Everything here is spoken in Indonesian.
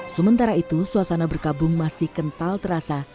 sementara itu suasana berkabung masih kental terasa